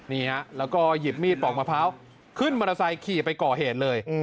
นี่ฮะแล้วก็หยิบมีดปอกมะพร้าวขึ้นมอเตอร์ไซค์ขี่ไปก่อเหตุเลย